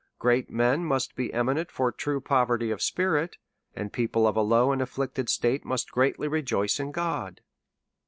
Great men must be eminent for true poverty of spirit, and people of a low and afflicted state must greatly re joice in God.